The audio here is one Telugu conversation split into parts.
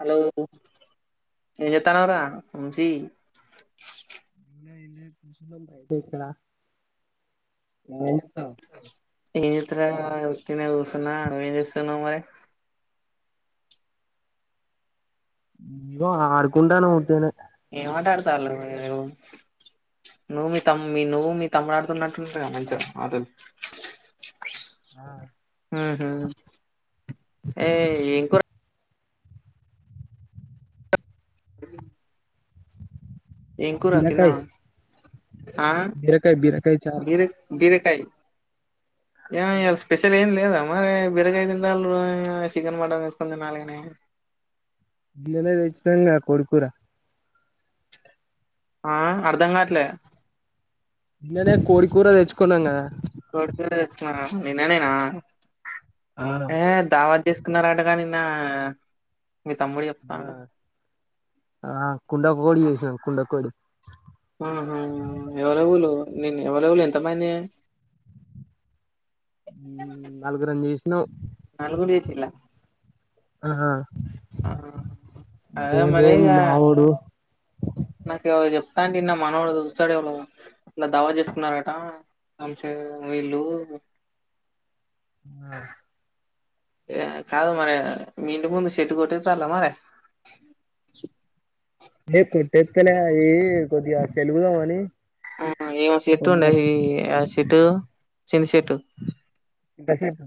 హలో ఏం చేస్తున్నావ్ రా బుజ్జి [unintelligible] ఏ ఇ ఉత్తగనే కూర్చున్న నువ్వేం చేస్తున్నావ్ మరి ఇగో ఆడుకుంటున్నాం ఉత్తిగానే [unintelligible] నువ్వు మీ తమ్ మీ నువ్వు మీ తమ్ముడు ఆడుతున్నట్టుంది కదా మంచిగా ఆటలు ఆ మ్మ్ ఏ ఎం కూర మ్ ఎం కూర బీరకాయ్ తినవ ఆ బీరకాయ్ బీరకాయ్ చార్ బిరక్ బిరక్ ఏ ఏ ఇయ్యాల స్పెషల్ ఏం లేదా మరి బిరకయ తింటలు చికెన్ మటన్ చేసుకొని తినాలి కానీ నిన్ననే తెచ్చినం కదా కోడి కూర ఆ అర్ధంగాట్లే నీన్ననే కోడి కూర తెచ్చుకున్నాం కదా నీన్ననే తెచుకున్నారా నిన్ననేేనా ఆ ఏ దావాత్ చే తెచ్చుసుకున్నారటగా నిన్న మీ తమ్ముడు చెప్తాడు ఆ కుండకోడి చేసము కుండకోడి నిన్ ఎవరెవరు ఎంతమంది నాలుగురంజీష్ను నాలుగుడి చేచ్చిలా ఆ అదే ఏదో మరి ఇగ మావోడు నాకెవరో చెప్తా అంటే విన్న మనోడు చూస్తాడు ఇలా దావత్ చేసుకున్నారట అంశ వీళ్ళు ఆ ఏ కాదు మరి మీ ఇంటి ముందు చెట్టు కొట్టే చాల మరి ఏ కొట్టేల ఈ కొద్దిగా సెలుగుదామాని ఆ ఏమ చెట్టు ఉండ ఆ చెట్టు చిన్న చెట్టు ఇంతసేపు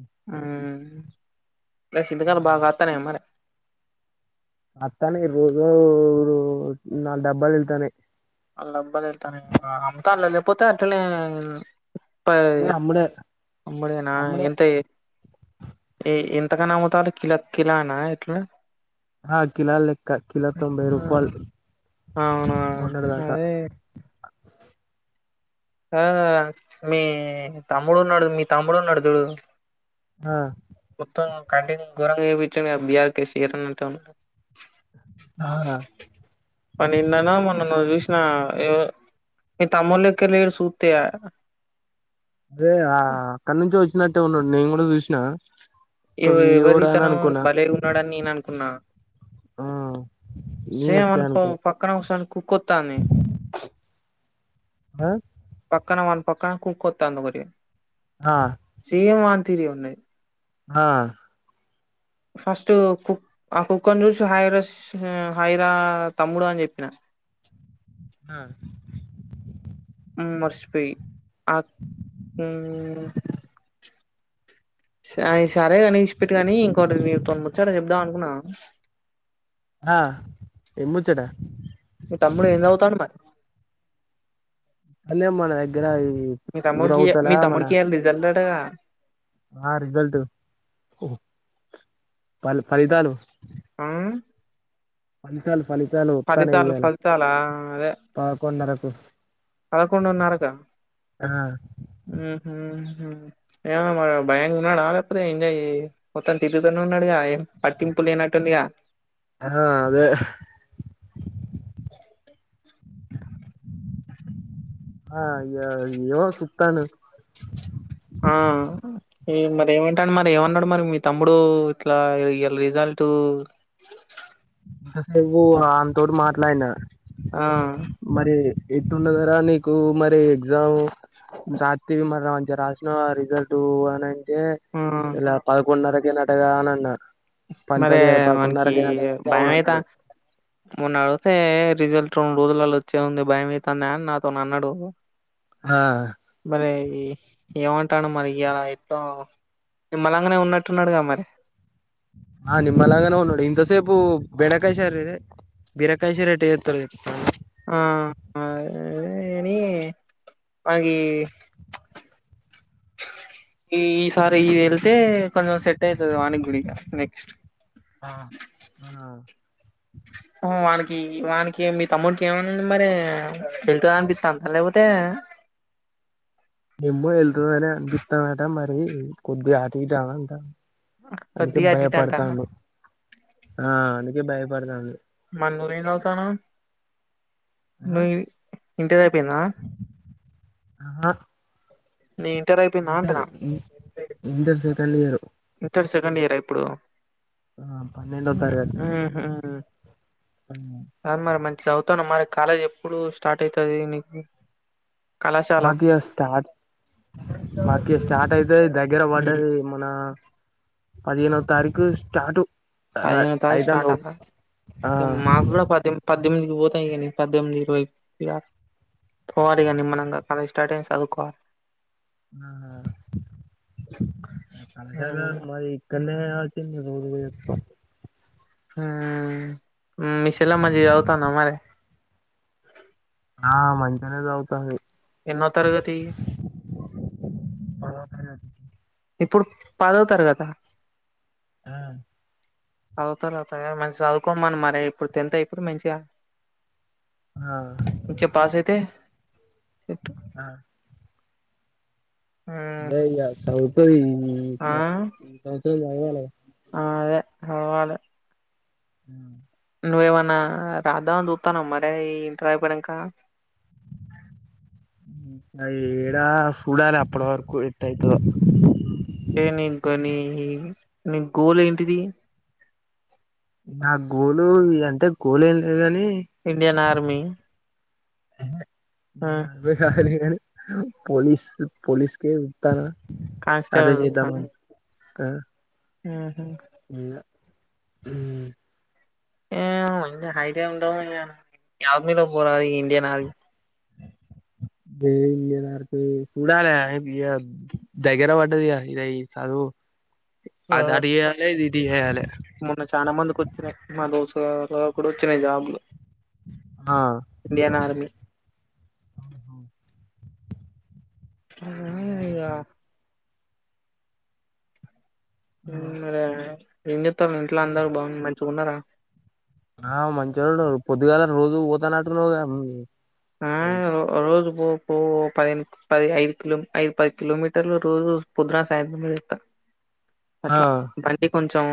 ఆ చింతకాయలు బాగా కతనాయ మరి అత్తానే రోజు ఊరు నాలుగు డబ్బాలు వెళ్తానే డబ్బాలు లేతనే అంతా అలా లేకపోతే అట్నే ప అమ్ముడే అమ్ముడినా అమ్ముడే ఎంత ఎ ఎం ఎత్తక నా అమ్ముతారు కిలా కిలా ఎట్లనే హ కిలా లక్క కిలా తొంబై రూపాల్ మ సరే ఆ మీ తమ్ముడు ఉన్నాడు మీ తమ్ముడున్నడుదుడు ఆ మొత్తం కటింగ్ గోరంగా ఏయిపించుడు కదా బిఆర్ కేశిఆర్ అని అంటాను. ఆ నిన్న నో మొన్ననో చూ సిన ఏవో మీ తమ్ముడి లెక్కలేడు చూత్తే అదే ఆ అక్కడ నుంచి వచ్చినట్టే ఉన్నడు నేను కూడా చూసినా ఇవి ఎవరితను భలే ఉన్నాడని నేను అనుకున్నా ఆ నేను సేమ వచ్చా అనుకో అనుకున్నా పక్కన కూసోని కుక్కొత్తాని పక్కన పనుకో అక్క కుక్క ఆతాండి ఒకటి ఆ ఏమ్ వానీ తీరేఉన్నాయి. ఆ ఫస్ట్ కు ఆ కుక్కన్ జూస్ హైరాస్ హైరా తమ్ముడు అని చెప్పిన చి ఆ మ్ మర్చిపోయి ఆ ఉ సాయ్ సరేగాని ఇసిపెట్టు కాని ఇంకోటి నీతో ముచ్చట చెప్దాం అనుకున్నా ఆ ఏం ముచ్చట? మీ తమ్ముడు ఏం చదుతన్ మరి? అదే మన దగ్గర ఈ మీ తమ్ముడికి ఊరవుతల మీ మన తమ్ముడికి రిజల్ట్ అంట గా ఆ రిజల్ట్ వాళ్లు ఫలితాలు ఆ ఫలితాలు ఫలితాలు ఫలితాలు వస్తానేయాల ఫలితాలా పాకున్నరకు పదకొండన్నరకా ఆహు ఏమొ మరి భయంగా ఉన్నాడ లేపోతే ఏంజాయ్ మొత్తాం తిరుగుతూనే ఉన్నాడుగ ఏ పట్టి ఉప్పు లేనట్టుందిగా ఆ అదే చుత్తన్నాను ఆ అయ్య యొ సుత్తాను ఆ ఎం మరి ఏమంటాడి మరి ఏమన్నాడు మరి మీ తమ్ముడు ఇట్లా ఇయల రిజల్ట్ ఇంతసేపు ఆనతోటి మాట్లాడిన ఆ ఎట్టున్నది రా నీకు మరి ఎగ్జామ్ హ్మ్. రాతివి మారయ్ ఇగ రాసినావ ఆ రిజల్ట్ అని అంటే ఆ ఇలా పదకొండున్నరకే నటగా అని అన్నారు. మరి మనకి అంటే భయం అవును అయిదా అన్నాడు మొన్న అడుతే రిజల్ట్ రెండు రోజులలో వచ్చే ఉంది భయమయితాందా అని నాతో అన్నాడు ఆ మరి ఈ ఏమంటాన్ మరి ఇయాల ఎట్ నిమ్మలంగానే ఉన్నట్టు ఉన్నాడుగా మరి ఆ నిమ్మల్లంగానే ఉండడు ఇంతసేపు బెండకాయ శారు ఇడే బీరకాయసరేట్ ఏత్తరో చెప్పవా ఆ అని అంగి ఈ ఈ సారి ఇది వెళ్తే కొంచం సెట్ అయితది వానికి గుడిగా నెక్స్ట్ ఆ ఆ వానికి వానికి మీ తమ్ముడికి ఏమైంద మరి వెళ్తద అనిపిత్తాం లేపోతే ఎమ్మో వెళ్తదనే అనిపిత్తాందట మరి కొద్ది అటు ఇటు అంటా అందుకే కొద్దిగా అటు ఇటు అంటాందా భయపడతాండు ఆ అందుకే భయపడతాన్ మన్నూరు ఏం చవుతానావ్ ఆ నువ ఇంటి పెనా ఆహా inter inter second year inter second year ఇప్పుడు ఆ పన్నెండో తరగతి హుహు మరి మం చదువుతాను మరి కాలేజ్ ఎప్పుడు స్టార్ట్ అయితది నీకు కళాశాల మాకు ఇ స్టార్ట్ మాకి స్టార్ట్ అయితే దగ్గర ఉమ్ పడ్డది మన పదేనో తారీకు స్టార్ట్ పదిహేను తారీకు స్టార్ట్ ఆ అ మాగూడా పద్దెమ్ పద్దెమికి పోత ఇగానీ పద్దెంది ఇరవై పోవాలి ఇగ నిమ్మనంగా కద స్టార్ట్ అయింది చదువుకోవాల ఆ కళాశాల మాది ఇక్కన్నే ఉరు చెత్తమ్ మీషెలా మంచి అవుతన్నా మరి ఆ మంచిగనే జవుతాంది ఎన్నో తరగతి ఆ ఇప్పుడు పదోతరగతా ఆ చదువుతారు అవుతా మంచిగ చదువుకోమని మరి ఇప్పుడు టెన్త్ అయిపో మంచిగా ఆ చిగ పాస్ అయితే ఆ ఉమ్ [unintelligible] చదువుకో ఈ ఆ కాయాల హవాలా హ నువ్వేమన్నా రాద్దాం అని చూత్తాన మరి ఇంటర్ అయిపోయినంక ఏడా సూడాల అప్పడు వరకు ఎట్టయిద్దో ఏ నీ గొనీ నీ గోల్ ఏంటిది నా గోలు అంటే గోల్ ఏం లేదు అని ఇండియన్ ఆర్మీ ఆ ఇ కాాలను పోలీసు పోలీసు కేత కాన్స్టేల్ ఎల్తారు ఆ ఆహ ఉ ఏ హైతే ఉంటాము ఆర్మీలో పోరాలి ఇండియన్ ఆర్మీ ఏదకు సూడాల భయ దగ్గర వాట్టదిగా సాధ ఆ చేయాలే మొన్న చాలా మందికి వచ్చినాయి మా దోస్తు కూడాడు వచ్చినయి జాబ్లు ఆ ఇండియన్ ఆర్మీ లే ఇగ మరే ఏం చెప్తారు ఇంట్లో అందరు బాగుంది మంచిగా ఉన్నారా ఆ మంచి రోడు పొద్దుగాల రోజు పోతన్నటు నువ్వు ఆ ర రోజ బో ఇ పది పది ఐదు క ఐదు పది కిమీటర్ల రోజు పదున సాయంత్రమ ఆ అట్లా బండి కొంచెం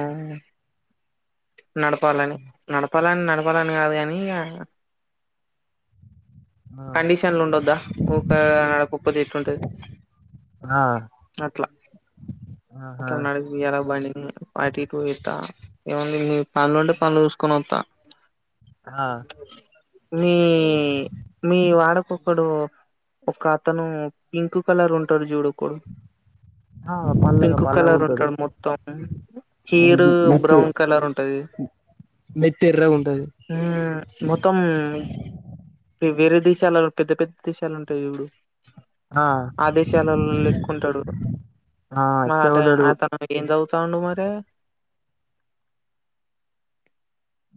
నడపాలని నడ నప్పాలని నడపాలని కాదు కాని ఇక కండిషన్లు ఉండద్దా ఊకా నడకప్పది ఎట్లుంటది ఆ ఆహా అ న వియాల బండి అట్టి ఇట్టు తిత ఏమంది మీ పనులు ఉంటే పనులు చూసుకొని వస్తా ఆ మీ మీ వాడకక్కడు ఒక అతను పింక్ కలర్ ఉంటాడు చూడు కుడు ఆ పల్లగా పింక్ పల్లగా కలర్ ఉంటాడు మొత్తం హీరు బ్రౌన్ కలర్ ఉంటది మెత్తెర్రగా ఉంటది ఉమ్ మొత్తం వేరే దేశాలు పెద్ద పెద్ద దేశాలు ఉంటాయి ఎప్పుడు ఆ ఆదేశాలలో లెక్కుంటాడు ఆ ఇట్నే మాట ఉంటాడు ఆతను ఏం దవు తాండూ మరే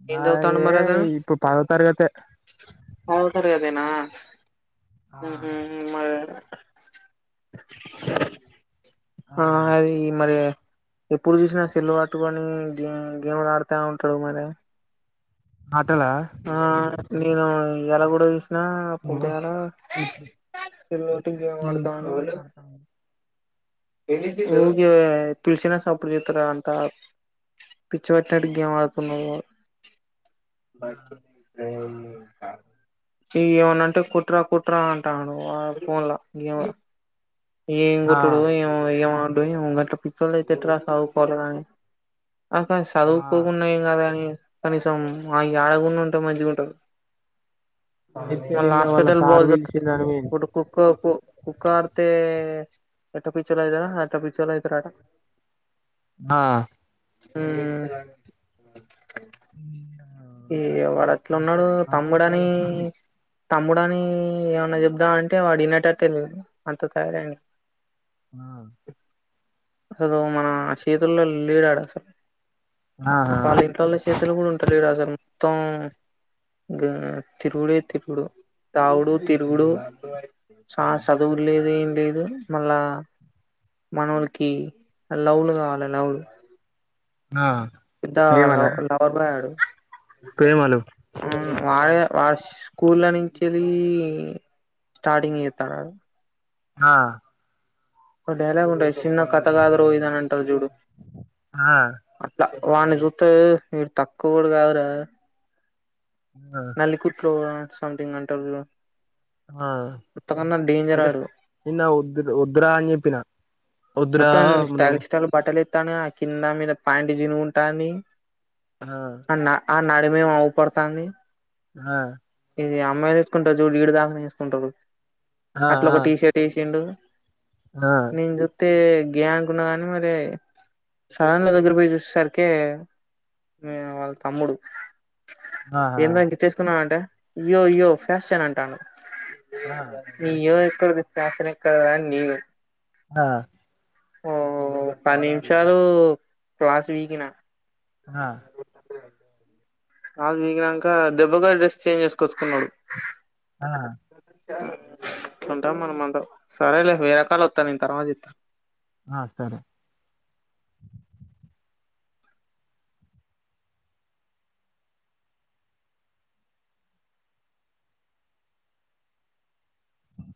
నా ఏ ఇప్పు పదో తరగతే అవు సరి అదేనా ఆ ఉహు మ ఆ అది మరి ఎప్పుడు చూసినా సెల్ పట్టుకొని గే గేమ్లు ఆడుతా ఉంటాడు మరి అతలా ఆ నేను ఇయాల కూడా నా అప్పు ఇప్పుడు చాలటి గేమ్ నువ్వు ఆడుతామ ఇప్పుడు కూడా వాళ్ళు ఆడతాను పిలిసిన సప్పుడు చేతార అంట పిచ్చు పచ్చనాటు గేమ్ ఆడుతున్న ఇవి ఏమన్నా అంటే కుట్రా కుట్రా అంటాను ఫోన్ లా ఏం ఆ కొట్టుడో ఇ ఏమో ఉ పితే ఎట్రా ఓ పోరగాని అక్క ఆ చదువుకోకున్నా ఏం కాదు కానీ కనీసం ఆ ఆడకుండా ఉంటే మంచిగా ఉంటారు అయితే నిన్న వాళ్ళ హస్పిటల్ సార్ బల్ చె పిలిచిండని పోయిన కుక్క కుక్క కార్తే ఎట్ట పిచోళ్లు అట పిచోళ్లు అరా ఆట ఆ ఉ ఉ ఈ వాడు అట్లు ఉన్నాడు తమ్ముడు అని తమ్ముడు అని ఏమన్నా చెబదాం అంటే వాడు వినేటట్టే లేడు అంత తయారయిండు ఆ అసలు మన చేతుల్లో లేడాడు అసలు ఆహా వాళ్ళ ఇంట్లో వాళ్ళ సేతులు కూడా ఉంటలేడు అసలు మొత్తం గ తిరుగుడే తిరుగుడు తావుడు తిరుగుడు సా చదువు లేదు ఏం లేదు మళ్ళా మనవులకి [unintelligible] కావాలి ఆ పెద్ద ప్రేమళ లవ్ లవర్ బాయ్ ఆడు ప్రేమలు వాడే వాడు స్కూల్ల నుంచి వెల్లీ స్టార్టింగ్ ఏత్తానాడు ఆ ఒ డైలాగు ఉంటయి చిన్న కథ కాదురో ఇదని అంటరు చూడు ఆ అ వాన్ని జూత్తే మీరు తక్కువ కూడా కావురా ఆ నల్లికుట్లో సంథింగ్ అంటరు జూడు ఆ ఇద నిన్న ఉద్ వద్దురా అని చెప్పిన వద్దురా మొత్తం నువ్వు స్టైల్ స్టైల్ బట్టలే ఆ కింద మీద పాంటు జినుగుంటాని ఆ అన్నా ఆన్నాడేమో మేమువు పడతాంది ఆ ఇది అమ్మాయిలు ఏసుకుంటారు జూడు ఇడిదాంకనే ఏసుకుంటారు ఆ అట్ల ఒక ఆ టీషర్ట్ వేసిండు ఆ నే అయితే గే అనుకున్న గాని మరి సడన్గా దగ్గరి పోయి చూసే సరికే వాళ్ళ తమ్ముడు ఆహా ఎందో గిచ్చేసుకున్నావ అంట ఇయ్యో ఇయ్యో ఫ్యాషన్ అంటాను ఆ ఇయ్యో టార్చర్ ఎక్కడ [unintelligible] ఆ ఓ పది నిమిషాలు క్లాస్ వీకిిన హా కాల్ పీకినంక దెబ్బగా డ్రెస్ చేంజ్ చేసుకచ్చుకున్నాడు ఆ ఇట్ల ఉంటాం మన అంట సరేలే వేరే కాల్ వత్తాం నేని తర్వాత చెత్త ఆ సరే